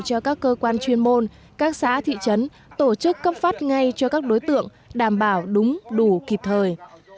cho các cơ quan chuyên môn các xã thị trấn tổ chức cấp phát ngay cho các đối tượng đảm bảo đúng đủ kịp thời